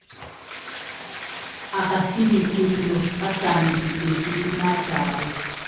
Akasiriikiriro kasaanikidde ekibiina kyaabwe